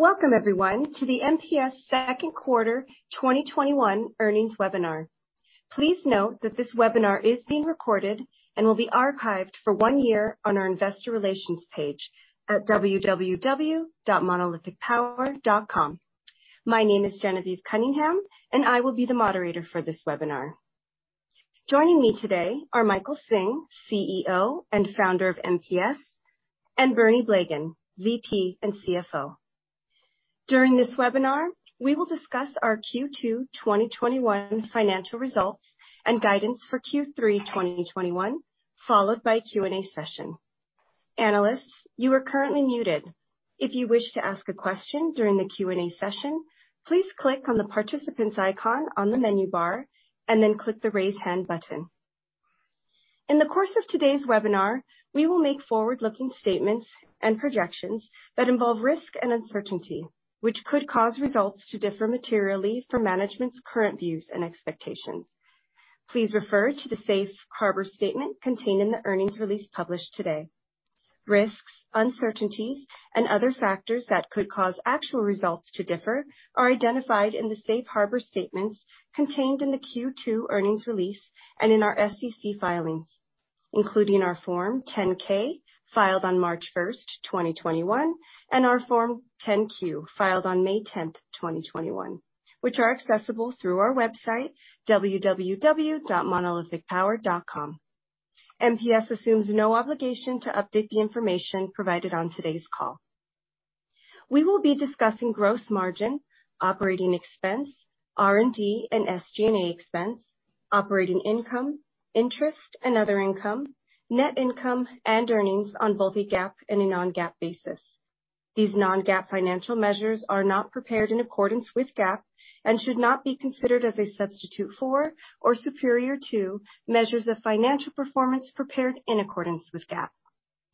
Welcome, everyone, to the MPS second quarter 2021 earnings webinar. Please note that this webinar is being recorded and will be archived for one year on our Investor Relations page at www.monolithicpower.com. My name is Genevieve Cunningham, and I will be the moderator for this webinar. Joining me today are Michael Hsing, CEO and Founder of MPS, and Bernie Blegen, VP and CFO. During this webinar, we will discuss our Q2 2021 financial results and guidance for Q3 2021, followed by a Q&A session. Analysts, you are currently muted. If you wish to ask a question during the Q&A session, please click on the participants icon on the menu bar, and then click the raise hand button. In the course of today's webinar, we will make forward-looking statements and projections that involve risk and uncertainty, which could cause results to differ materially from management's current views and expectations. Please refer to the safe harbor statement contained in the earnings release published today. Risks, uncertainties, and other factors that could cause actual results to differ are identified in the safe harbor statements contained in the Q2 earnings release, and in our SEC filings, including our Form 10-K filed on March 1st, 2021, and our Form 10-Q, filed on May 10th, 2021, which are accessible through our website www.monolithicpower.com. MPS assumes no obligation to update the information provided on today's call. We will be discussing gross margin, operating expense, R&D, and SG&A expense, operating income, interest and other income, net income, and earnings on both a GAAP and a non-GAAP basis. These non-GAAP financial measures are not prepared in accordance with GAAP and should not be considered as a substitute for or superior to measures of financial performance prepared in accordance with GAAP.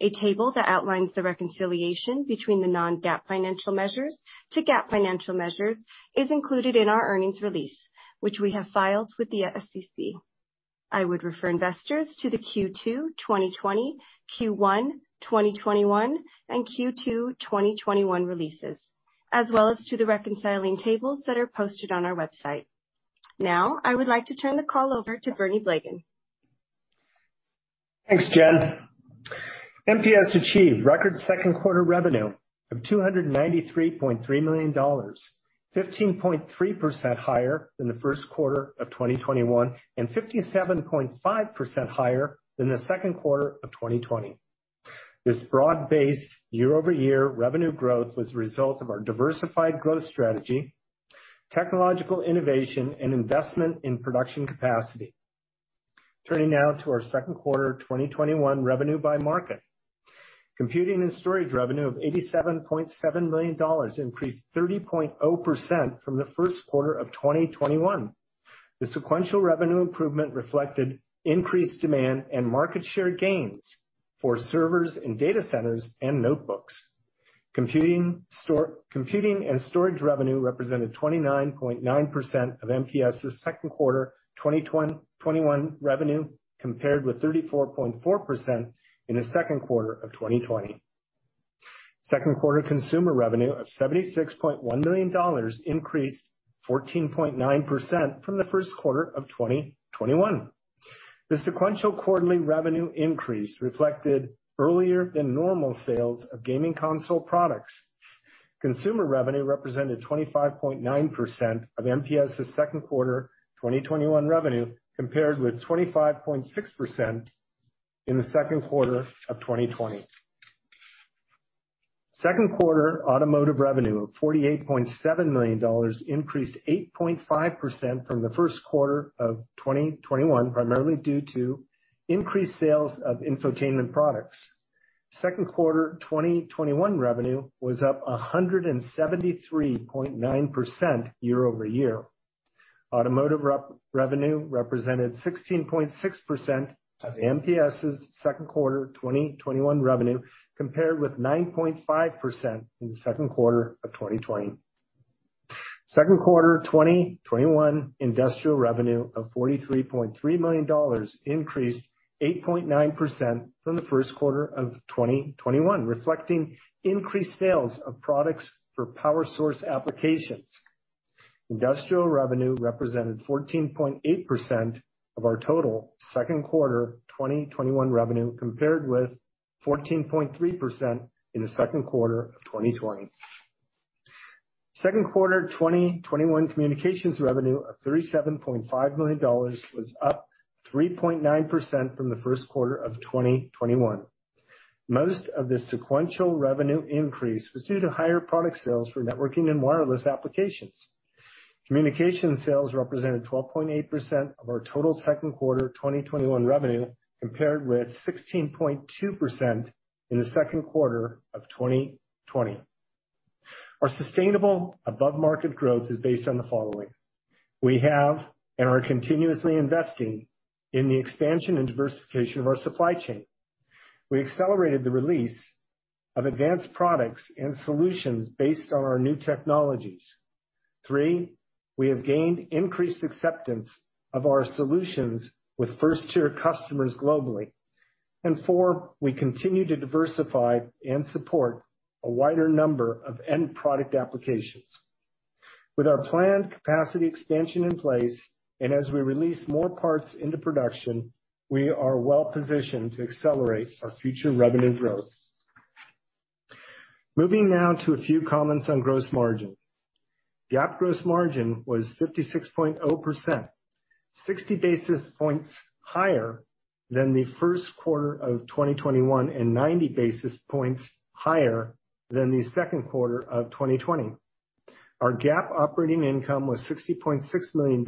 A table that outlines the reconciliation between the non-GAAP financial measures to GAAP financial measures is included in our earnings release, which we have filed with the SEC. I would refer investors to the Q2 2020, Q1 2021, and Q2 2021 releases, as well as to the reconciling tables that are posted on our website. Now, I would like to turn the call over to Bernie Blegen. Thanks, Gen. MPS achieved record second quarter revenue of $293.3 million, 15.3% higher than the first quarter of 2021, and 57.5% higher than the second quarter of 2020. This broad-based year-over-year revenue growth was the result of our diversified growth strategy, technological innovation, and investment in production capacity. Turning now to our second quarter 2021 revenue by market. Computing and storage revenue of $87.7 million increased 30.0% from the first quarter of 2021. The sequential revenue improvement reflected increased demand and market share gains for servers and data centers and notebooks. Computing and storage revenue represented 29.9% of MPS' second quarter 2021 revenue, compared with 34.4% in the second quarter of 2020. Second quarter consumer revenue of $76.1 million increased 14.9% from the first quarter of 2021. The sequential quarterly revenue increase reflected earlier than normal sales of gaming console products. Consumer revenue represented 25.9% of MPS' second quarter 2021 revenue, compared with 25.6% in the second quarter of 2020. Second quarter automotive revenue of $48.7 million increased 8.5% from the first quarter of 2021, primarily due to increased sales of infotainment products. Second quarter 2021 revenue was up 173.9% year-over-year. Automotive revenue represented 16.6% of MPS' second quarter 2021 revenue, compared with 9.5% in the second quarter of 2020. Second quarter 2021 industrial revenue of $43.3 million increased 8.9% from the first quarter of 2021, reflecting increased sales of products for power source applications. Industrial revenue represented 14.8% of our total second quarter 2021 revenue, compared with 14.3% in the second quarter of 2020. Second quarter 2021 communications revenue of $37.5 million was up 3.9% from the first quarter of 2021. Most of the sequential revenue increase was due to higher product sales for networking and wireless applications. Communication sales represented 12.8% of our total second quarter 2021 revenue, compared with 16.2% in the second quarter of 2020. Our sustainable above-market growth is based on the following. We have and are continuously investing in the expansion and diversification of our supply chain. We accelerated the release of advanced products and solutions based on our new technologies. Three, we have gained increased acceptance of our solutions with first-tier customers globally. Four, we continue to diversify and support a wider number of end product applications. With our planned capacity expansion in place, and as we release more parts into production, we are well-positioned to accelerate our future revenue growth. Moving now to a few comments on gross margin. GAAP gross margin was 56.0%, 60 basis points higher than the first quarter of 2021, and 90 basis points higher than the second quarter of 2020. Our GAAP operating income was $60.6 million,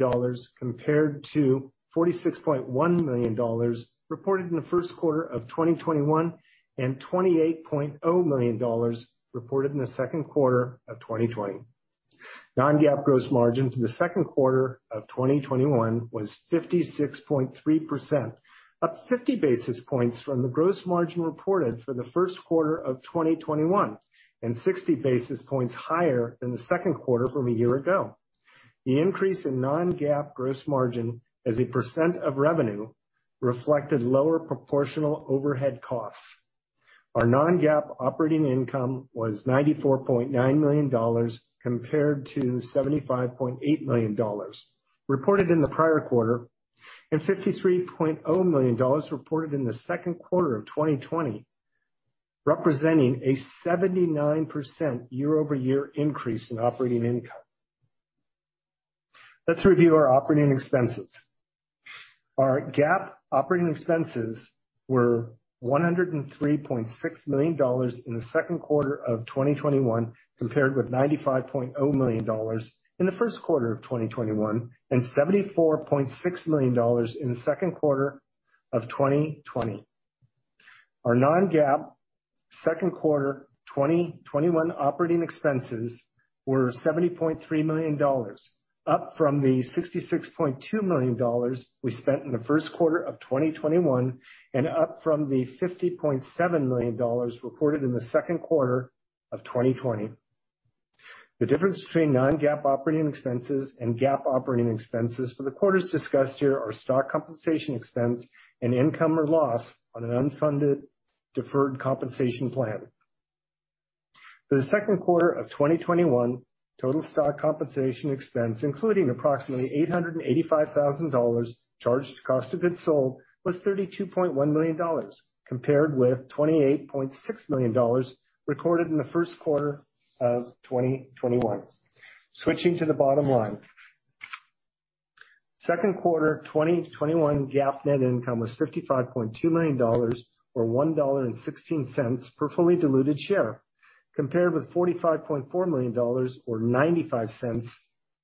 compared to $46.1 million reported in the first quarter of 2021, and $28.0 million reported in the second quarter of 2020. Non-GAAP gross margin for the second quarter of 2021 was 56.3%, up 50 basis points from the gross margin reported for the first quarter of 2021, and 60 basis points higher than the second quarter from a year ago. The increase in non-GAAP gross margin as a percent of revenue reflected lower proportional overhead costs. Our non-GAAP operating income was $94.9 million, compared to $75.8 million reported in the prior quarter, and $53.0 million reported in the second quarter of 2020, representing a 79% year-over-year increase in operating income. Let's review our operating expenses. Our GAAP operating expenses were $103.6 million in the second quarter of 2021, compared with $95.0 million in the first quarter of 2021, and $74.6 million in the second quarter of 2020. Our non-GAAP second quarter 2021 operating expenses were $70.3 million, up from the $66.2 million we spent in the first quarter of 2021, and up from the $50.7 million reported in the second quarter of 2020. The difference between non-GAAP operating expenses and GAAP operating expenses for the quarters discussed here are stock compensation expense and income or loss on an unfunded deferred compensation plan. For the second quarter of 2021, total stock compensation expense, including approximately $885,000 charged to cost of goods sold, was $32.1 million, compared with $28.6 million recorded in the first quarter of 2021. Switching to the bottom line. Second quarter 2021 GAAP net income was $55.2 million, or $1.16 per fully diluted share, compared with $45.4 million or $0.95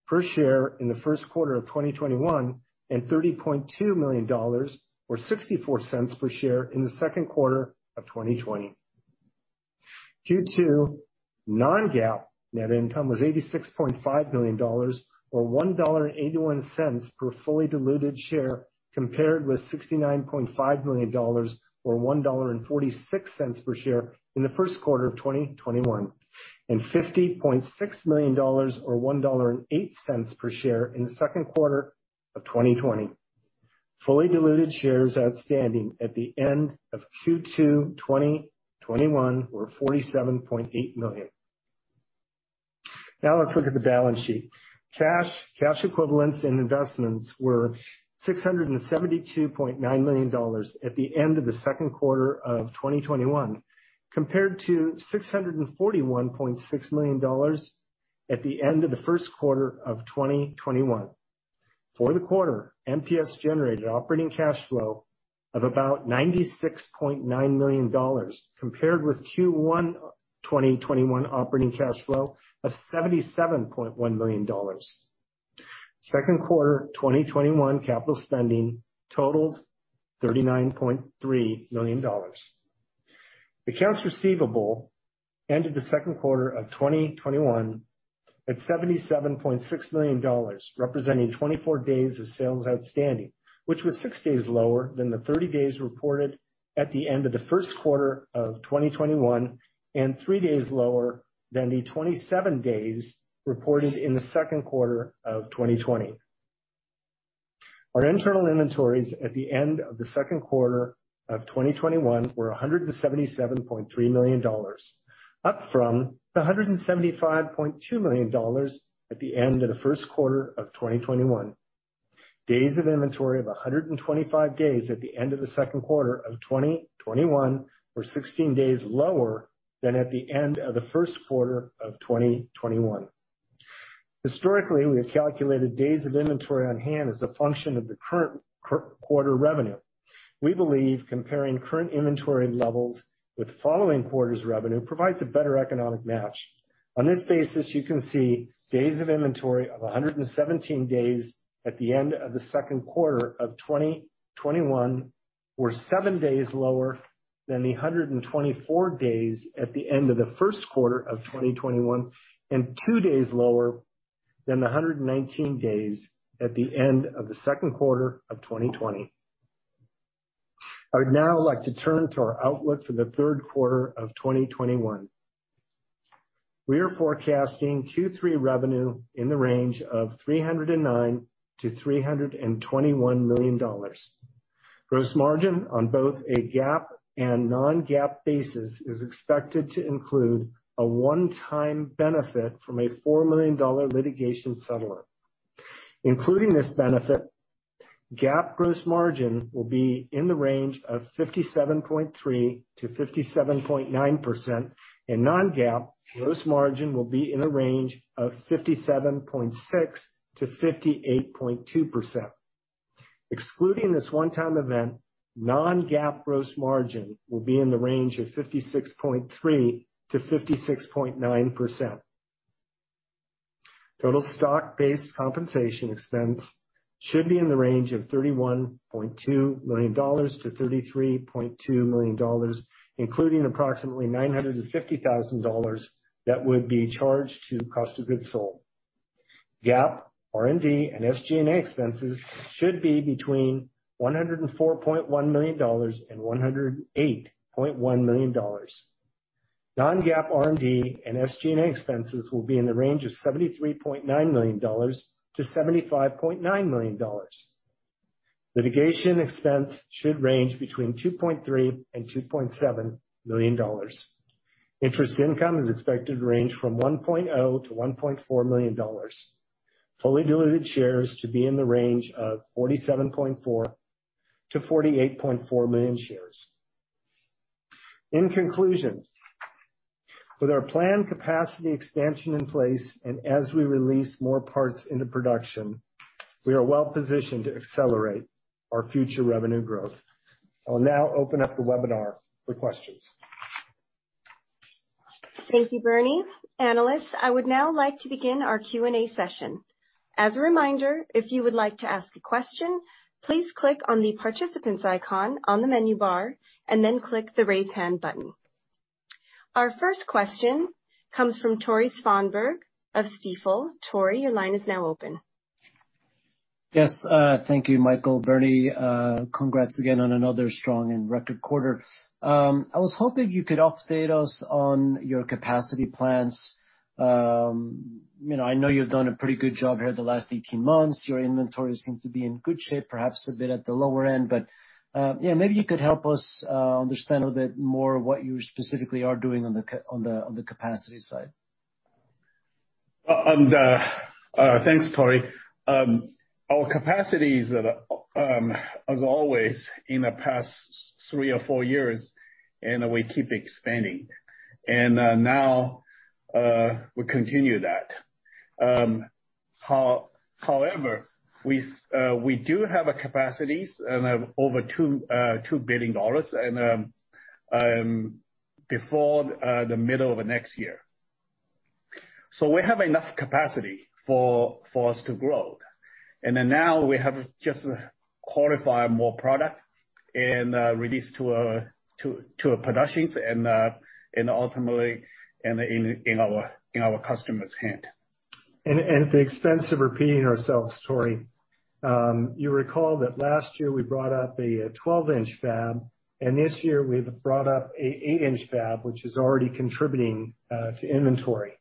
per share in the first quarter of 2021, and $30.2 million or $0.64 per share in the second quarter of 2020. Q2 non-GAAP net income was $86.5 million or $1.81 per fully diluted share, compared with $69.5 million or $1.46 per share in the first quarter of 2021, and $50.6 million or $1.08 per share in the second quarter of 2020. Fully diluted shares outstanding at the end of Q2 2021 were 47.8 million. Let's look at the balance sheet. Cash, cash equivalents, and investments were $672.9 million at the end of the second quarter of 2021, compared to $641.6 million at the end of the first quarter of 2021. For the quarter, MPS generated operating cash flow of about $96.9 million, compared with Q1 2021 operating cash flow of $77.1 million. Second quarter 2021 capital spending totaled $39.3 million. Accounts receivable ended the second quarter of 2021 at $77.6 million, representing 24 days of sales outstanding, which was six days lower than the 30 days reported at the end of the first quarter of 2021, and three days lower than the 27 days reported in the second quarter of 2020. Our internal inventories at the end of the second quarter of 2021 were $177.3 million, up from the $175.2 million at the end of the first quarter of 2021. Days of inventory of 125 days at the end of the second quarter of 2021, were 16 days lower than at the end of the first quarter of 2021. Historically, we have calculated days of inventory on hand as a function of the current quarter revenue. We believe comparing current inventory levels with following quarters' revenue provides a better economic match. On this basis, you can see days of inventory of 117 days at the end of the second quarter of 2021, were seven days lower than the 124 days at the end of the first quarter of 2021, and two days lower than the 119 days at the end of the second quarter of 2020. I would now like to turn to our outlook for the third quarter of 2021. We are forecasting Q3 revenue in the range of $309 million-$321 million. Gross margin on both a GAAP and non-GAAP basis is expected to include a one-time benefit from a $4 million litigation settlement. Including this benefit, GAAP gross margin will be in the range of 57.3%-57.9%, and non-GAAP gross margin will be in the range of 57.6%-58.2%. Excluding this one-time event, non-GAAP gross margin will be in the range of 56.3%-56.9%. Total stock-based compensation expense should be in the range of $31.2 million-$33.2 million, including approximately $950,000 that would be charged to cost of goods sold. GAAP R&D and SG&A expenses should be between $104.1 million and $108.1 million. Non-GAAP R&D and SG&A expenses will be in the range of $73.9 million-$75.9 million. Litigation expense should range between $2.3 million and $2.7 million. Interest income is expected to range from $1.0 million-$1.4 million. Fully diluted shares to be in the range of 47.4 million-48.4 million shares. In conclusion, with our planned capacity expansion in place and as we release more parts into production, we are well-positioned to accelerate our future revenue growth. I will now open up the webinar for questions. Thank you, Bernie. Analysts, I would now like to begin our Q&A session. As a reminder, if you would like to ask a question, please click on the participants icon on the menu bar and then click the raise hand button. Our first question comes from Tore Svanberg of Stifel. Tore, your line is now open. Yes. Thank you, Michael, Bernie. Congrats again on another strong and record quarter. I was hoping you could update us on your capacity plans. I know you've done a pretty good job here the last 18 months. Your inventory seems to be in good shape, perhaps a bit at the lower end. Yeah, maybe you could help us understand a bit more what you specifically are doing on the capacity side. Thanks, Tore. Our capacity is, as always, in the past three or four years, and we keep expanding. Now, we continue that. However, we do have capacities of over $2 billion before the middle of next year. We have enough capacity for us to grow. Now we have just qualified more product and released to our productions and ultimately in our customers' hands. At the expense of repeating ourselves, Tore, you recall that last year we brought up a 12-in fab, and this year we've brought up an eight-inch fab, which is already contributing to inventory.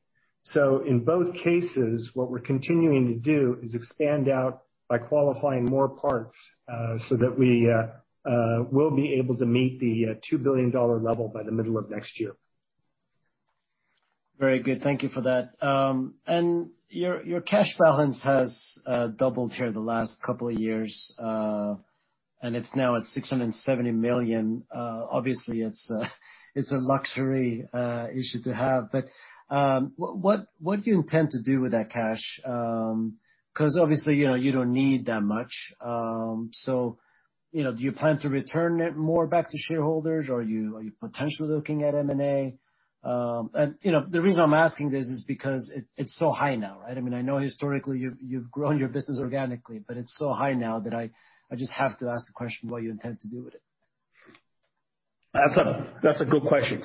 In both cases, what we're continuing to do is expand out by qualifying more parts, so that we will be able to meet the $2 billion level by the middle of next year. Very good. Thank you for that. Your cash balance has doubled here the last couple of years, and it's now at $670 million. Obviously, it's a luxury issue to have. What do you intend to do with that cash? Obviously, you don't need that much. Do you plan to return it more back to shareholders, or are you potentially looking at M&A? The reason I'm asking this is because it's so high now, right? I know historically you've grown your business organically, but it's so high now that I just have to ask the question what you intend to do with it. That's a good question.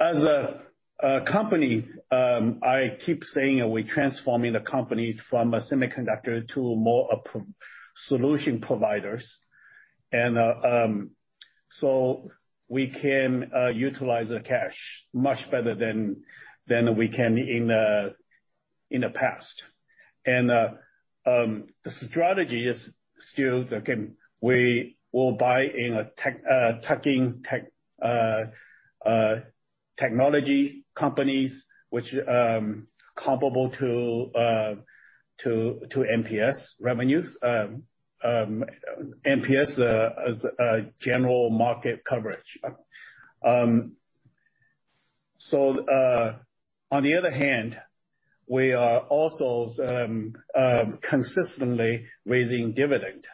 As a company, I keep saying that we're transforming the company from a semiconductor to more solution providers. We can utilize the cash much better than we can in the past. The strategy is still that, again, we will buy in technology companies which are comparable to MPS revenues. MPS as a general market coverage. On the other hand, we are also consistently raising dividend,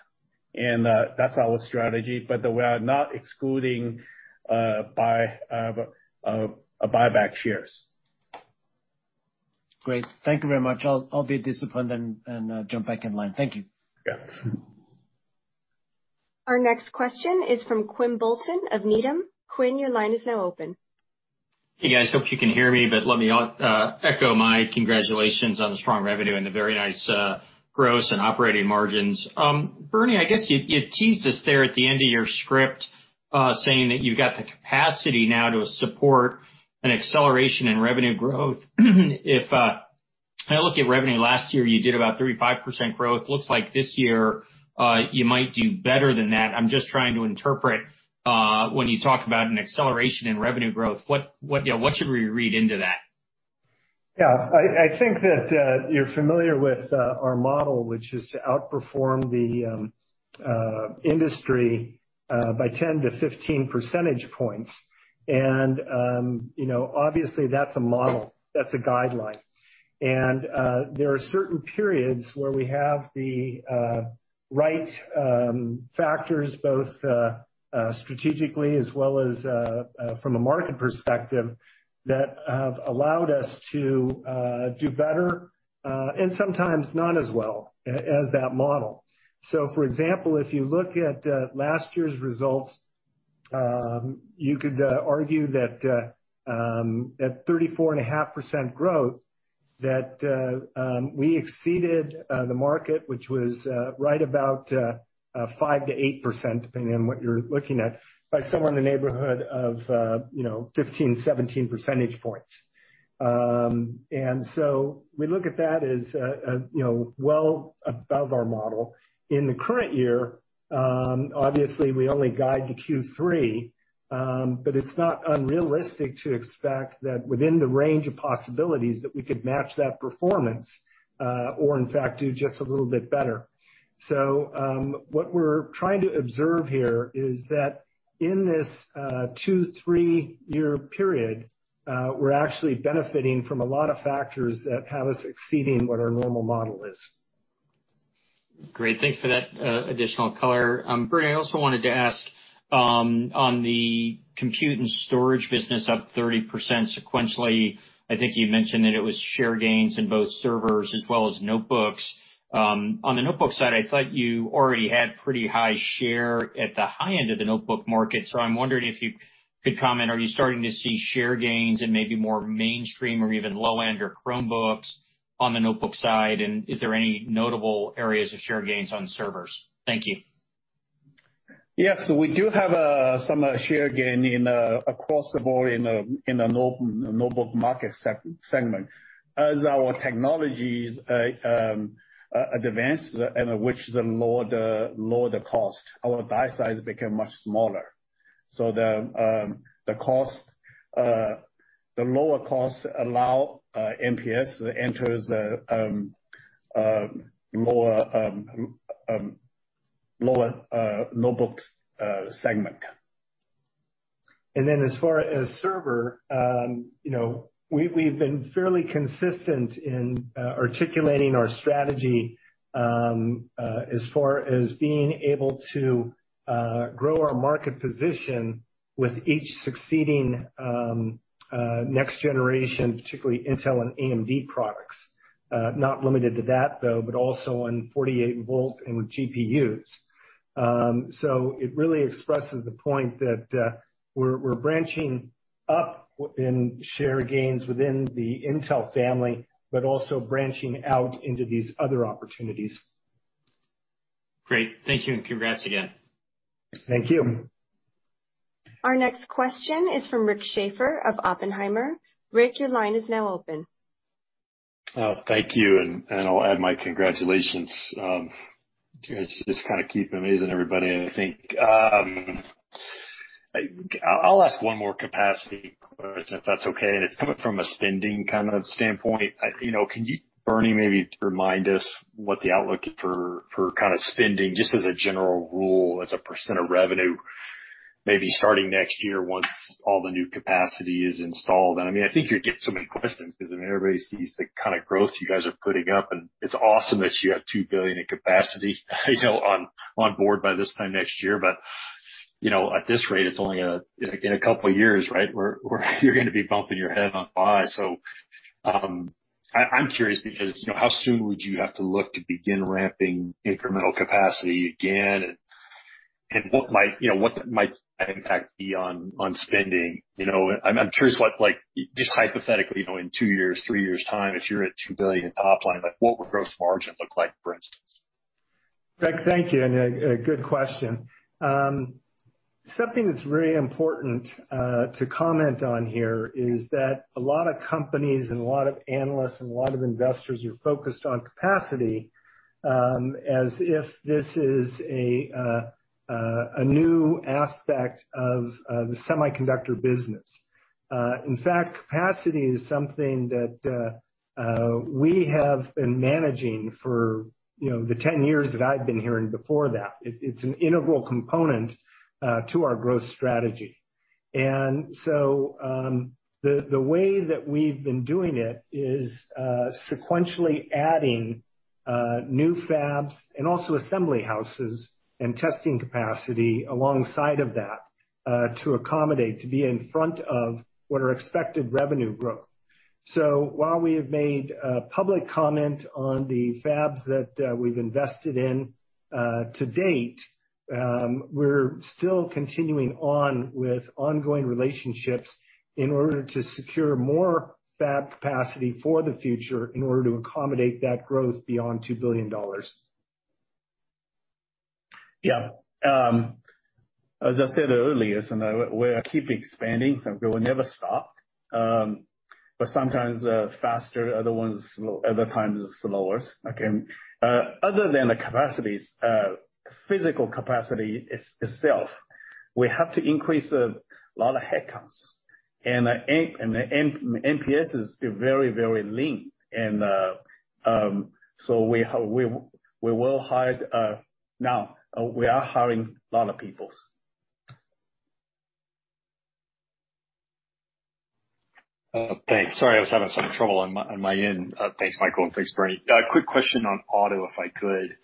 and that's our strategy, but we are not excluding buyback shares. Great. Thank you very much. I'll be disciplined and jump back in line. Thank you. Yeah. Our next question is from Quinn Bolton of Needham. Quinn, your line is now open. Hey, guys, hope you can hear me, but let me echo my congratulations on the strong revenue and the very nice gross and operating margins. Bernie, I guess you teased us there at the end of your script, saying that you've got the capacity now to support an acceleration in revenue growth. If I look at revenue last year, you did about 35% growth. Looks like this year you might do better than that. I'm just trying to interpret when you talk about an acceleration in revenue growth, what should we read into that? Yeah. I think that you're familiar with our model, which is to outperform the industry by 10-15 percentage points. Obviously, that's a model, that's a guideline. There are certain periods where we have the right factors, both strategically as well as from a market perspective, that have allowed us to do better, and sometimes not as well as that model. For example, if you look at last year's results, you could argue that at 34.5% growth, that we exceeded the market, which was right about 5%-8%, depending on what you're looking at, by somewhere in the neighborhood of 15-17 percentage points. We look at that as well above our model. In the current year, obviously, we only guide to Q3, but it's not unrealistic to expect that within the range of possibilities, that we could match that performance, or in fact, do just a little bit better. What we're trying to observe here is that in this two to three-year period, we're actually benefiting from a lot of factors that have us exceeding what our normal model is. Great. Thanks for that additional color. Bernie, I also wanted to ask on the compute and storage business up 30% sequentially, I think you mentioned that it was share gains in both servers as well as notebooks. On the notebook side, I thought you already had pretty high share at the high end of the notebook market. I'm wondering if you could comment, are you starting to see share gains in maybe more mainstream or even low-end or Chromebooks on the notebook side? Is there any notable areas of share gains on servers? Thank you. Yes. We do have some share gain in across the board in the notebook market segment. As our technologies advance, and which the lower the cost, our die size become much smaller. The lower cost allow MPS to enter the lower notebooks segment. As far as server, we've been fairly consistent in articulating our strategy as far as being able to grow our market position with each succeeding next generation, particularly Intel and AMD products. Not limited to that, though, but also on 48-V and with GPUs. It really expresses the point that we're branching up in share gains within the Intel family, but also branching out into these other opportunities. Great. Thank you, and congrats again. Thank you. Our next question is from Rick Schafer of Oppenheimer. Rick, your line is now open. Thank you. I'll add my congratulations. You just keep amazing everybody, I think. I'll ask one more capacity question, if that's okay, and it's coming from a spending standpoint. Can you, Bernie, maybe remind us what the outlook for spending, just as a general rule, as a percent of revenue, maybe starting next year once all the new capacity is installed. I think you get so many questions because everybody sees the kind of growth you guys are putting up, and it's awesome that you have $2 billion in capacity on board by this time next year. At this rate, it's only in a couple of years, right? Where you're going to be bumping your head on five. I'm curious because how soon would you have to look to begin ramping incremental capacity again, and what might that impact be on spending? I'm curious what, just hypothetically, in two years, three years' time, if you're at $2 billion top line, what would gross margin look like, for instance? Rick, thank you, and a good question. Something that's very important to comment on here is that a lot of companies and a lot of analysts and a lot of investors are focused on capacity, as if this is a new aspect of the semiconductor business. In fact, capacity is something that we have been managing for the 10 years that I've been here and before that. It's an integral component to our growth strategy. The way that we've been doing it is sequentially adding new fabs and also assembly houses and testing capacity alongside of that, to accommodate, to be in front of what our expected revenue growth. While we have made a public comment on the fabs that we've invested in to date, we're still continuing on with ongoing relationships in order to secure more fab capacity for the future in order to accommodate that growth beyond $2 billion. Yeah. As I said earlier, we keep expanding, so we will never stop. Sometimes faster, other times slower. Other than the capacities, physical capacity itself, we have to increase a lot of headcounts. The MPS is very linked. We will hire now. We are hiring a lot of people. Thanks. Sorry, I was having some trouble on my end. Thanks, Michael, and thanks, Bernie. A quick question on auto, if I could.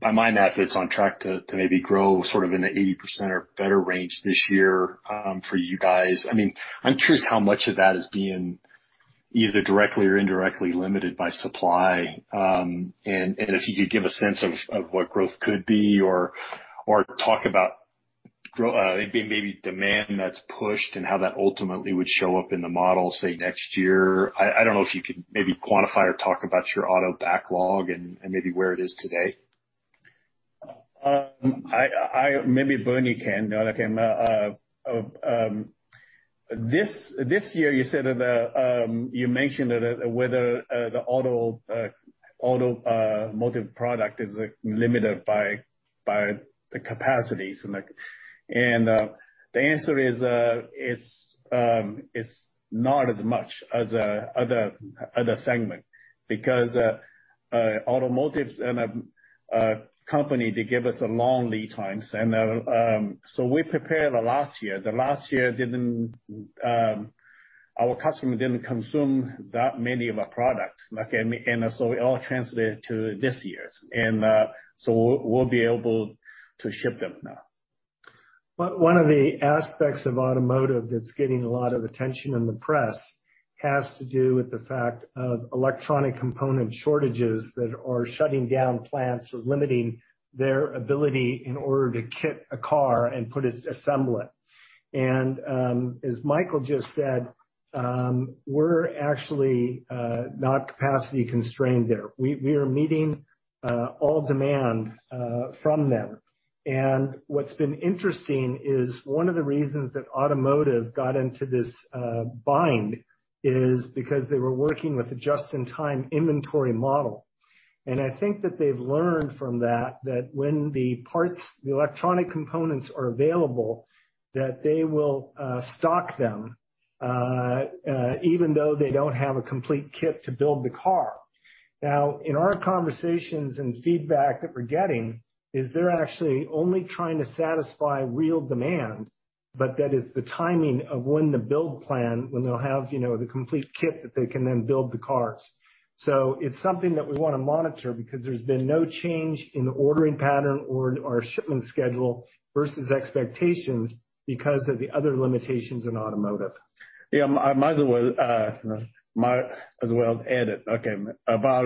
By my math, it's on track to maybe grow sort of in the 80% or better range this year, for you guys. I'm curious how much of that is being either directly or indirectly limited by supply, and if you could give a sense of what growth could be or talk about maybe demand that's pushed and how that ultimately would show up in the model, say, next year. I don't know if you could maybe quantify or talk about your auto backlog and maybe where it is today. Maybe Bernie can. This year, you mentioned whether the automotive product is limited by the capacities. The answer is, it's not as much as other segment because automotive is a company to give us long lead times. We prepared last year. Last year, our customer didn't consume that many of our products. It all translated to this year. We'll be able to ship them now. One of the aspects of automotive that's getting a lot of attention in the press has to do with the fact of electronic component shortages that are shutting down plants or limiting their ability in order to kit a car and assemble it. As Michael just said, we're actually not capacity constrained there. We are meeting all demand from them. What's been interesting is one of the reasons that automotive got into this bind is because they were working with a just-in-time inventory model. I think that they've learned from that when the electronic components are available, that they will stock them even though they don't have a complete kit to build the car. In our conversations and feedback that we're getting, is they're actually only trying to satisfy real demand, but that is the timing of when the build plan, when they'll have the complete kit that they can then build the cars. It's something that we want to monitor because there's been no change in the ordering pattern or our shipment schedule versus expectations because of the other limitations in automotive. Yeah, I might as well add it. About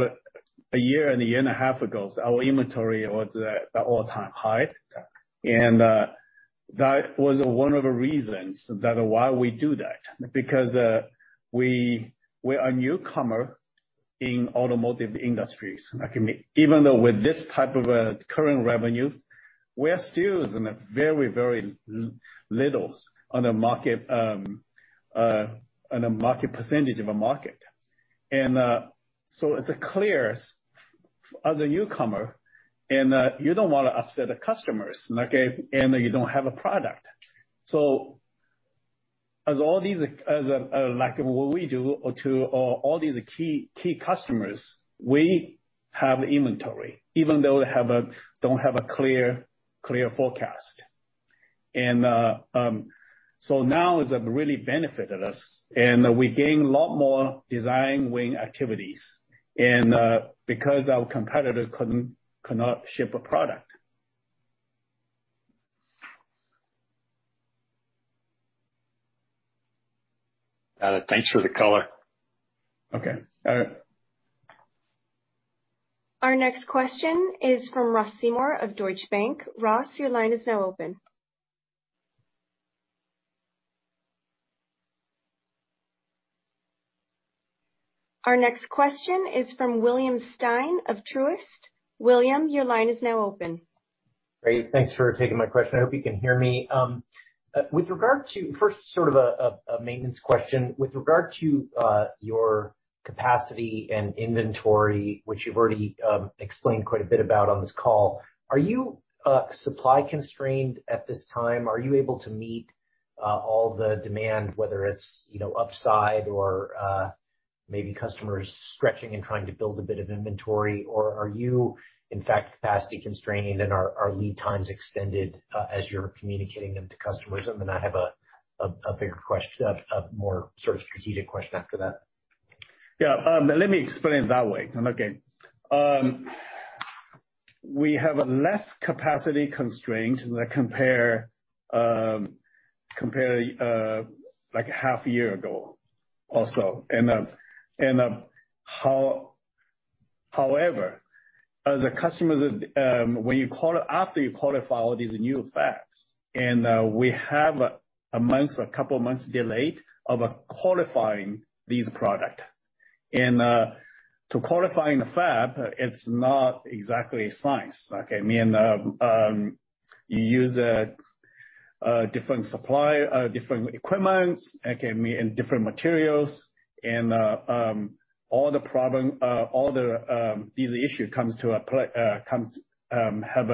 a year and a half ago, our inventory was at all-time high. That was one of the reasons why we do that, because we're a newcomer in automotive industries. Even though with this type of current revenue, we are still very little on the market percentage of a market. It's clear as a newcomer, and you don't want to upset the customers, and you don't have a product. As all these, like what we do to all these key customers, we have inventory, even though we don't have a clear forecast. Now it's really benefited us, and we gain a lot more design win activities. Because our competitor cannot ship a product. Got it. Thanks for the color. Okay. All right. Our next question is from Ross Seymore of Deutsche Bank. Ross, your line is now open. Our next question is from William Stein of Truist. William, your line is now open. Great. Thanks for taking my question. I hope you can hear me. First, sort of a maintenance question. With regard to your capacity and inventory, which you've already explained quite a bit about on this call, are you supply constrained at this time? Are you able to meet all the demand, whether it's upside or maybe customers stretching and trying to build a bit of inventory, or are you, in fact, capacity constrained and are lead times extended as you're communicating them to customers? I have a bigger question, a more sort of strategic question after that. Yeah. Let me explain it that way. We have a less capacity constraint compared like half a year ago also. However, as a customer, after you qualify all these new fabs, and we have a couple of months delayed of qualifying these products. And to qualifying the fab, it's not exactly science. Okay. You use different supply, different equipments, and different materials, and all these issue have a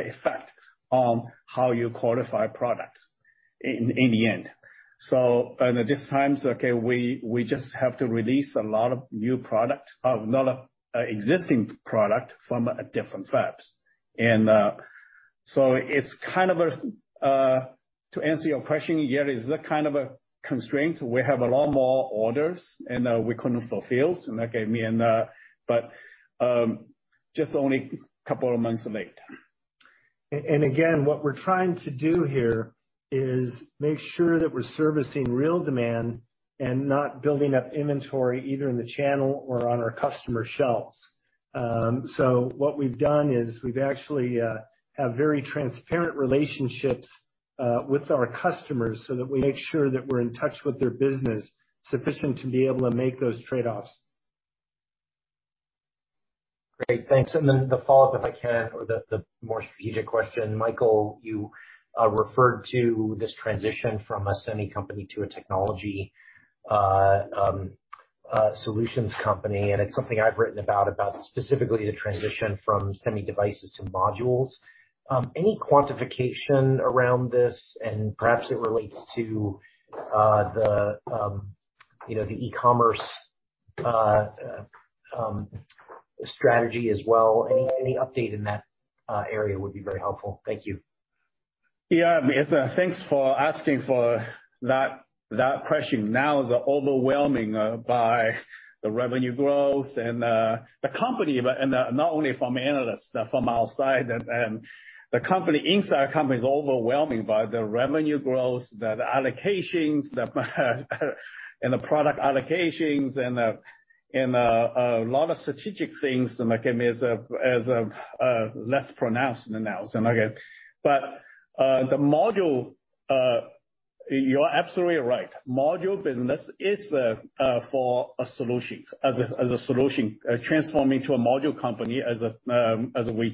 effect on how you qualify products in the end. At this times, okay, we just have to release a lot of existing product from different fabs. It's kind of to answer your question, yeah, it's that kind of a constraint. We have a lot more orders, and we couldn't fulfill, but, just only a couple of months late. Again, what we're trying to do here is make sure that we're servicing real demand and not building up inventory either in the channel or on our customer shelves. What we've done is we've actually have very transparent relationships with our customers so that we make sure that we're in touch with their business, sufficient to be able to make those trade-offs. Great. Thanks. The follow-up, if I can, or the more strategic question. Michael, you referred to this transition from a semi company to a technology solutions company, and it's something I've written about specifically the transition from semi devices to modules. Any quantification around this? Perhaps it relates to the e-commerce strategy as well. Any update in that area would be very helpful. Thank you. Yeah, thanks for asking for that question. Now is overwhelming by the revenue growth and the company. Not only from analysts, from outside, and the inside company's overwhelming by the revenue growth, the allocations, and the product allocations and a lot of strategic things. Again, is less pronounced now. The module, you are absolutely right. Module business is for a solution, as a solution, transforming to a module company as we're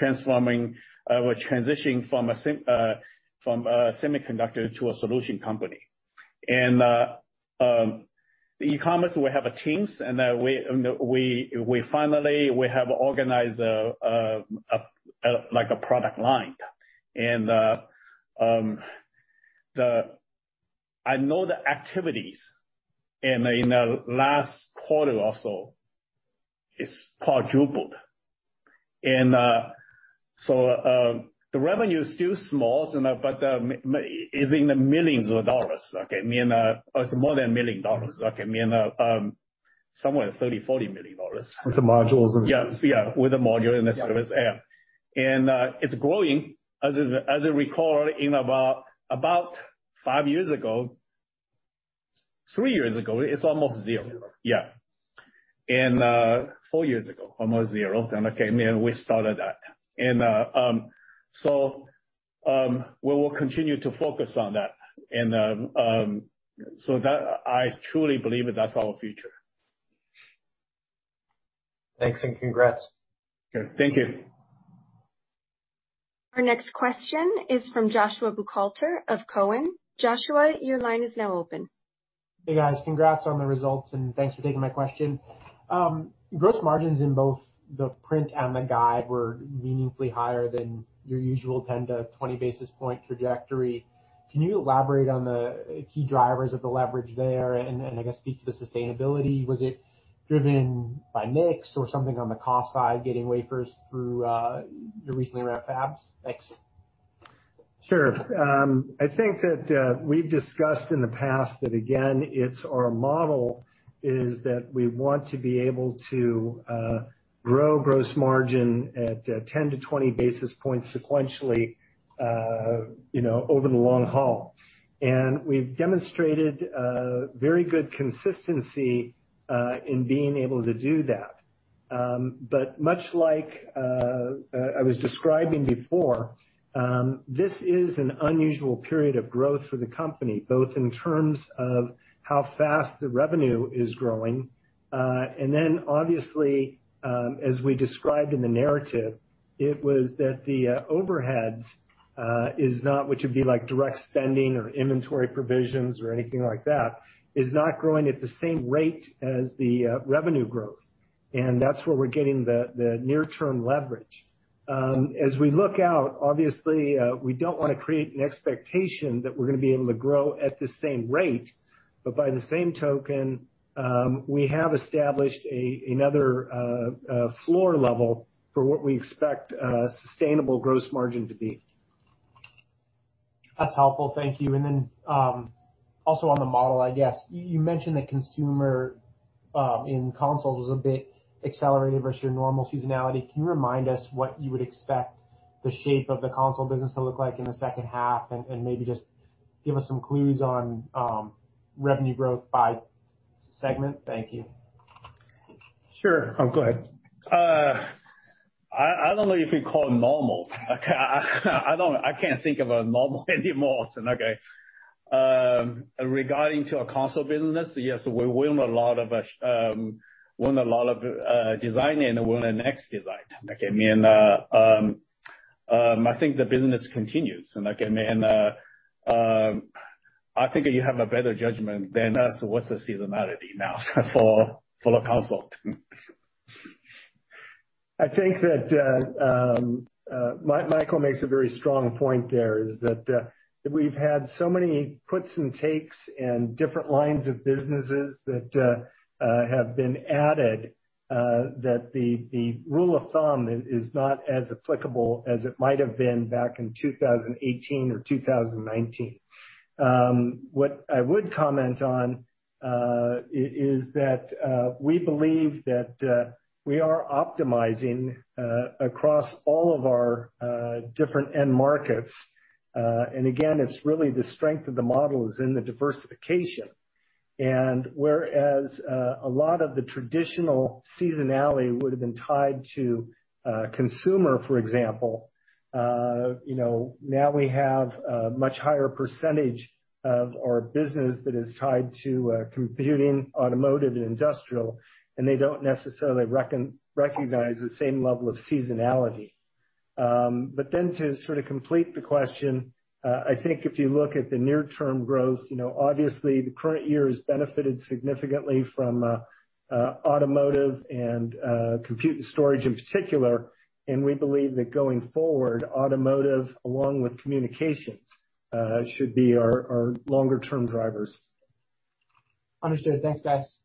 transitioning from a semiconductor to a solution company. E-commerce, we have teams. Finally, we have organized a product line. I know the activities. In the last quarter or so, it's quadrupled. The revenue is still small, but is in the millions of dollars. Okay. It's more than $1 million. Somewhere $30 million-$40 million. With the modules and- Yes. Yeah. With the module and the service. Yeah. It's growing. As you recall, in about five years ago, three years ago, it's almost zero. Yeah. Four years ago, almost zero, again, we started that. We will continue to focus on that. I truly believe that's our future. Thanks and congrats. Sure. Thank you. Our next question is from Joshua Buchalter of Cowen. Joshua, your line is now open. Hey, guys. Congrats on the results. Thanks for taking my question. Gross margins in both the print and the guide were meaningfully higher than your usual 10-20 basis point trajectory. Can you elaborate on the key drivers of the leverage there and I guess speak to the sustainability? Was it driven by mix or something on the cost side, getting wafers through your recently ramped fabs? Thanks. Sure. I think that we've discussed in the past that, again, our model is that we want to be able to grow gross margin at 10-20 basis points sequentially over the long haul. We've demonstrated very good consistency in being able to do that. Much like I was describing before, this is an unusual period of growth for the company, both in terms of how fast the revenue is growing, and then obviously, as we described in the narrative, it was that the overheads, which would be like direct spending or inventory provisions or anything like that, is not growing at the same rate as the revenue growth. That's where we're getting the near-term leverage. As we look out, obviously, we don't want to create an expectation that we're going to be able to grow at the same rate. By the same token, we have established another floor level for what we expect sustainable gross margin to be. That's helpful. Thank you. Also on the model, I guess, you mentioned that consumer in consoles was a bit accelerated versus your normal seasonality. Can you remind us what you would expect the shape of the console business to look like in the second half? Maybe just give us some clues on revenue growth by segment. Thank you. Sure. Oh, go ahead. I don't know if we call normal. I can't think of a normal anymore. Regarding to our console business, yes, we won a lot of design and won the next design. I think the business continues. I think that you have a better judgment than us what's the seasonality now for a console. I think that Michael makes a very strong point there, is that we've had so many puts and takes and different lines of businesses that have been added, that the rule of thumb is not as applicable as it might have been back in 2018 or 2019. What I would comment on, is that we believe that we are optimizing across all of our different end markets. Again, it's really the strength of the model is in the diversification. Whereas, a lot of the traditional seasonality would've been tied to consumer, for example. Now we have a much higher percentage of our business that is tied to computing, automotive, and industrial, and they don't necessarily recognize the same level of seasonality. To sort of complete the question, I think if you look at the near term growth, obviously the current year has benefited significantly from automotive and compute and storage in particular, and we believe that going forward, automotive along with communications, should be our longer term drivers. Understood. Thanks, guys.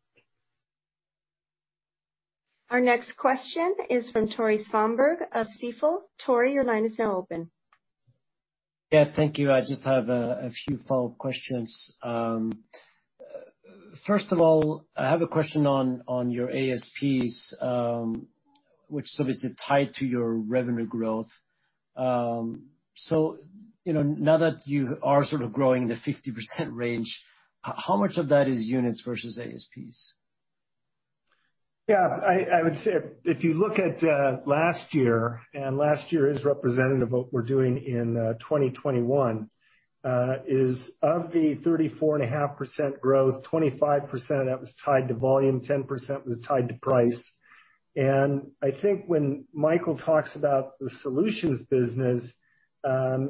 Our next question is from Tore Svanberg of Stifel. Tore, your line is now open. Yeah, thank you. I just have a few follow-up questions. First of all, I have a question on your ASPs, which is obviously tied to your revenue growth. Now that you are sort of growing in the 50% range, how much of that is units versus ASPs? Yeah. I would say if you look at last year, and last year is representative of what we're doing in 2021. Is of the 34.5% growth, 25% of that was tied to volume, 10% was tied to price. I think when Michael talks about the solutions business,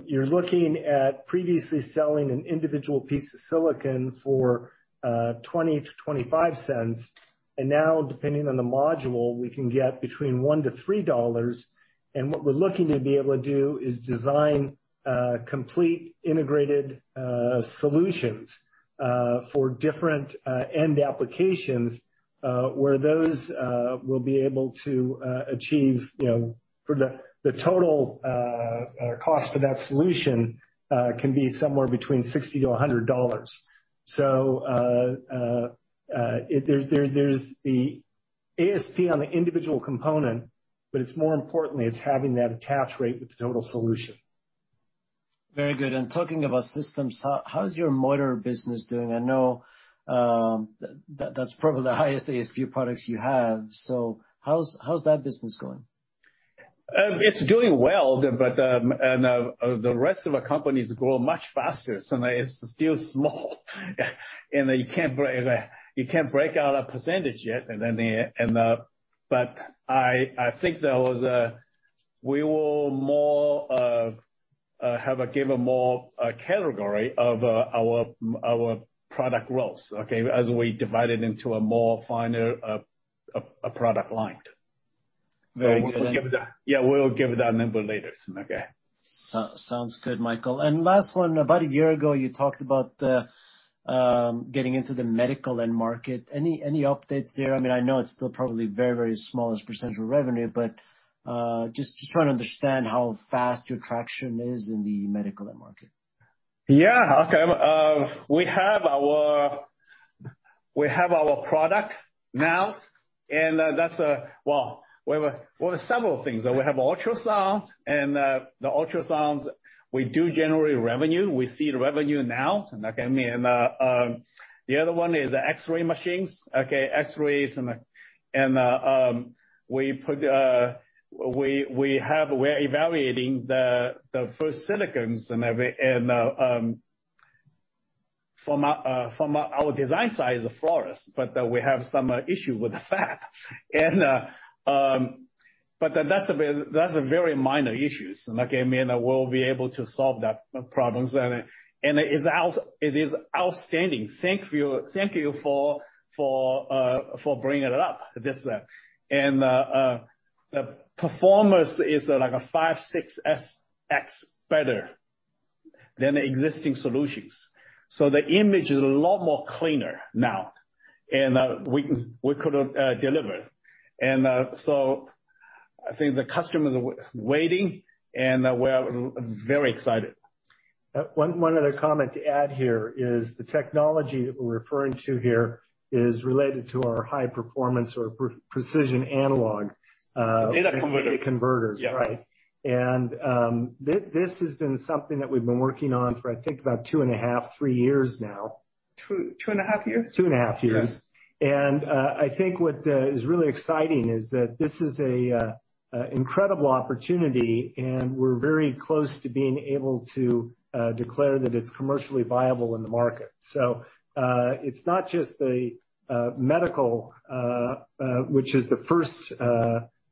you're looking at previously selling an individual piece of silicon for $0.20-$0.25, and now depending on the module, we can get between $1-$3. What we're looking to be able to do is design complete integrated solutions, for different end applications, where those will be able to achieve the total cost for that solution can be somewhere between $60-$100. There's the ASP on the individual component, but it's more importantly, it's having that attach rate with the total solution. Very good. Talking about systems, how's your motor business doing? I know that's probably the highest ASP products you have. How's that business going? It's doing well. The rest of the company is growing much faster, so it's still small. You can't break out a percentage yet. I think that we will give more category of our product rows as we divide it into a more finer product line. Very good. Yeah, we'll give that number later. Sounds good, Michael. Last one, about one year ago, you talked about getting into the medical end market. Any updates there? I know it's still probably very smallest percentage of revenue, but just trying to understand how fast your traction is in the medical end market. Yeah, okay. We have our product now and well, several things. We have ultrasounds. The ultrasounds, we do generate revenue. We see the revenue now. The other one is the X-ray machines. X-rays. We're evaluating the first silicons and from our design side is flawless, but we have some issue with the fab. That's a very minor issues. We'll be able to solve that problems. It is outstanding. Thank you for bringing it up. The performance is like a five, 6x better than the existing solutions. The image is a lot more cleaner now. We could deliver. I think the customers are waiting. We're very excited. One other comment to add here is the technology that we're referring to here is related to our high-performance or precision analog. Data converters. Data converters. Yeah. Right. This has been something that we've been working on for, I think, about two and a half, three years now. Two and a half years? Two and a half years. Yeah. I think what is really exciting is that this is an incredible opportunity, and we're very close to being able to declare that it's commercially viable in the market. It's not just the medical, which is the first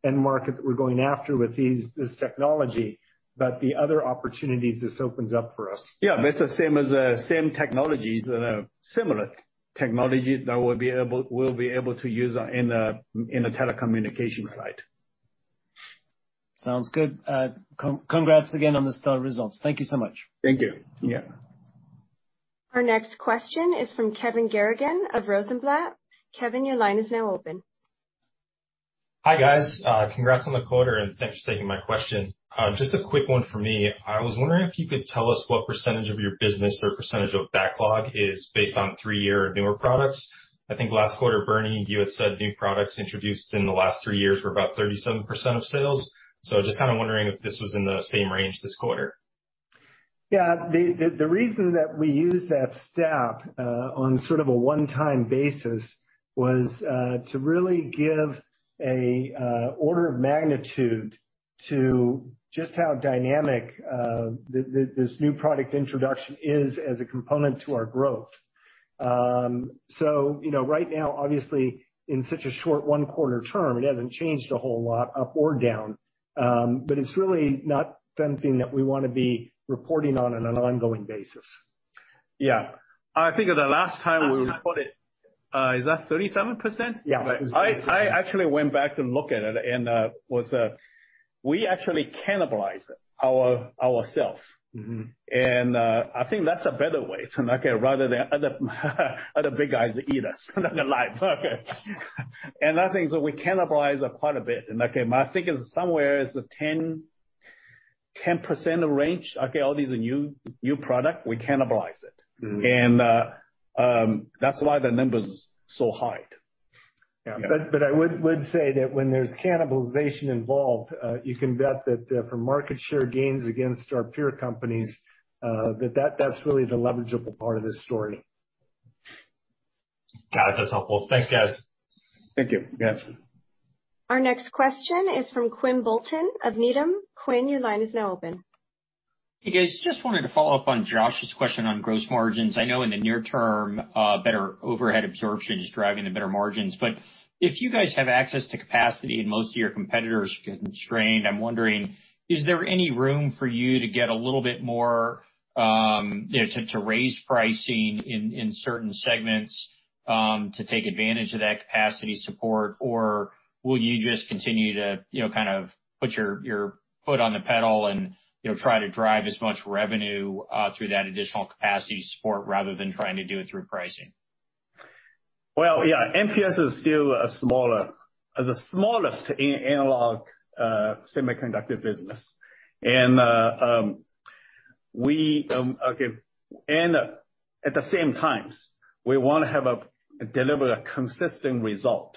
end market that we're going after with this technology, but the other opportunities this opens up for us. Yeah. That's the same technologies that are similar technologies that we'll be able to use in the telecommunication side. Sounds good. Congrats again on the star results. Thank you so much. Thank you. Yeah. Our next question is from Kevin Garrigan of Rosenblatt. Kevin, your line is now open. Hi, guys. Congrats on the quarter. Thanks for taking my question. Just a quick one for me. I was wondering if you could tell us what percentage of your business or percentage of backlog is based on three-year or newer products. I think last quarter, Bernie, you had said new products introduced in the last three years were about 37% of sales. Just kind of wondering if this was in the same range this quarter. Yeah. The reason that we use that stat on sort of a one-time basis was to really give an order of magnitude to just how dynamic this new product introduction is as a component to our growth. Right now, obviously, in such a short one-quarter term, it hasn't changed a whole lot up or down. It's really not something that we want to be reporting on an ongoing basis. Yeah. I think the last time we reported, is that 37%? Yeah. I actually went back to look at it, and we actually cannibalized ourself. I think that's a better way, okay, rather than other big guys eat us alive. Okay. I think that we cannibalized quite a bit, and okay, I think it's somewhere is 10% range, okay, all these new product, we cannibalize it. That's why the number's so high. Yeah. I would say that when there's cannibalization involved, you can bet that for market share gains against our peer companies, that that's really the leverageable part of this story. Got it. That's helpful. Thanks, guys. Thank you. Yeah. Our next question is from Quinn Bolton of Needham. Quinn, your line is now open. Hey, guys. Just wanted to follow up on Josh's question on gross margins. I know in the near term, better overhead absorption is driving the better margins. If you guys have access to capacity and most of your competitors are getting strained, I'm wondering, is there any room for you to get a little bit more to raise pricing in certain segments to take advantage of that capacity support? Will you just continue to kind of put your foot on the pedal and try to drive as much revenue through that additional capacity support rather than trying to do it through pricing? Well, yeah, MPS is still a smaller, is the smallest analog semiconductor business. At the same times, we want to deliver a consistent result.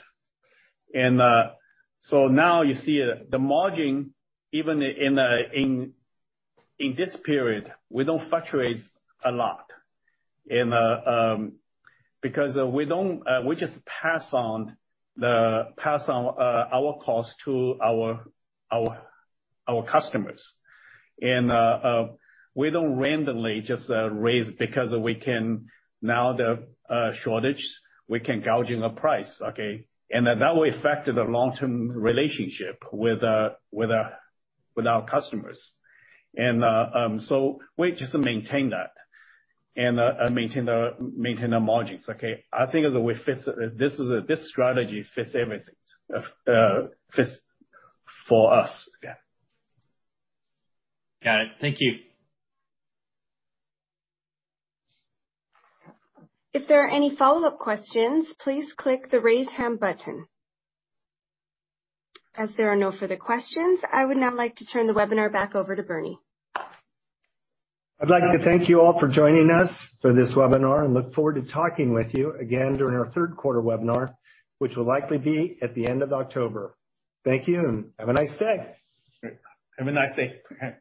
Now you see the margin, even in this period, we don't fluctuate a lot. Because we just pass on our cost to our customers. We don't randomly just raise because now the shortage, we can gouging a price, okay. That will affect the long-term relationship with our customers. We just maintain that and maintain the margins, okay. I think this strategy fits everything, fits for us. Yeah. Got it. Thank you. If there are any follow-up questions, please click the Raise Hand button. As there are no further questions, I would now like to turn the webinar back over to Bernie. I'd like to thank you all for joining us for this webinar and look forward to talking with you again during our third quarter webinar, which will likely be at the end of October. Thank you, and have a nice day. Have a nice day. Okay.